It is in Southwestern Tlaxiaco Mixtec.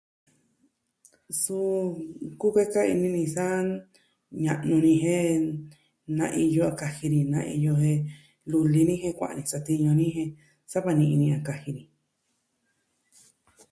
Suu kukueka ini ni sa ña'nu ni jen na iyo a kaji ni na iyo jen luli ni je kua'a satiñu ni jen sava ni'i ni a kaji ni.